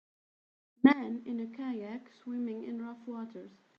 Man in a kayak swimming in rough waters